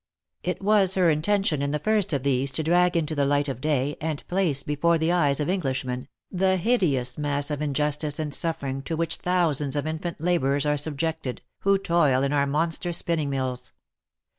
It was her intention in the first of these to drag into the light of day, and place before the eyes of Englishmen, the hideous mass of injustice and suffering to which thousands of infant labourers are subjected, who toil in our monster spinning mills.